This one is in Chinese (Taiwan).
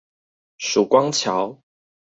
曙光橋